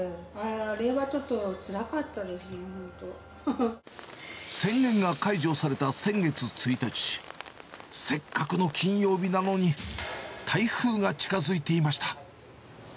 あれはちょっとつらかったです、宣言が解除された先月１日、せっかくの金曜日なのに、台風が近づいていました。